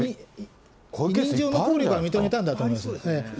委任状の効力認めたんだと思います。